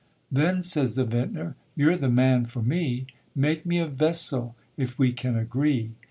"Then", says the Vintner, "you're the man for me Make me a vessel, if we can agree.